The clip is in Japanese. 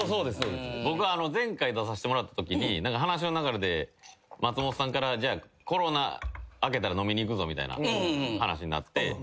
僕前回出させてもらったときに話の流れで松本さんからコロナ明けたら飲みに行くぞみたいな話になって。